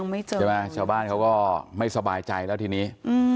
ไม่เจอใช่ไหมชาวบ้านเขาก็ไม่สบายใจแล้วทีนี้